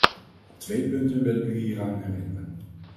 Op twee punten wil ik u hieraan herinneren.